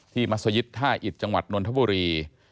มัศยิตท่าอิตจังหวัดนนทบุรี